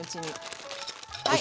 はい。